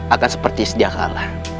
akan seperti sedia kalah